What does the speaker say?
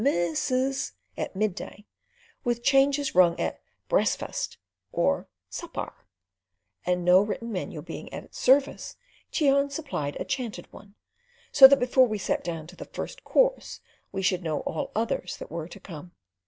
Mis sus!" at midday, with changes rung at "Bress fass" or "Suppar"; and no written menu being at its service, Cheon supplied a chanted one, so that before we sat down to the first course we should know all others that were to come.